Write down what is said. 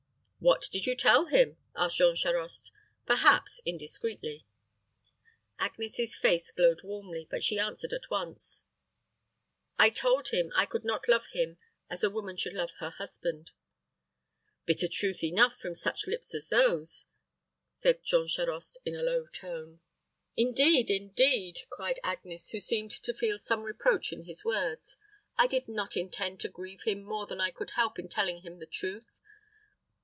"What did you tell him?" asked Jean Charost, perhaps indiscreetly. Agnes's face glowed warmly, but she answered at once, "I told him I could not love him as a woman should love her husband." "Bitter truth enough from such lips as those," said Jean Charost in a low tone. "Indeed, indeed," cried Agnes, who seemed to feel some reproach in his words, "I did not intend to grieve him more than I could help in telling him the truth.